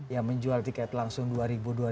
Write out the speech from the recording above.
yang menjual tiket langsung dua ribu dua ribu gitu ya